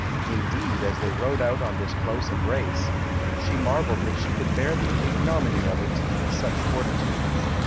Indeed, as they rode on in this close embrace, she mar velled that she could bear the ignominy of it with such fortitude.